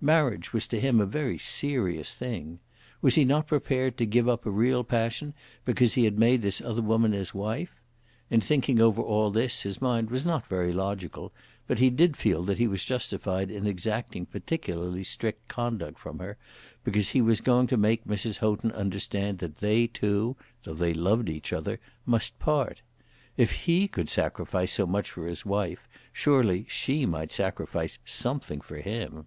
Marriage was to him a very serious thing. Was he not prepared to give up a real passion because he had made this other woman his wife? In thinking over all this his mind was not very logical, but he did feel that he was justified in exacting particularly strict conduct from her because he was going to make Mrs. Houghton understand that they two, though they loved each other, must part. If he could sacrifice so much for his wife, surely she might sacrifice something for him.